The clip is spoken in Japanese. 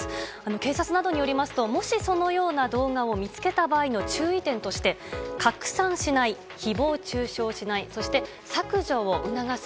警察などによりますと、もしそのような動画を見つけた場合の注意点として、拡散しない、ひぼう中傷しない、そして削除を促す。